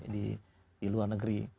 di luar negeri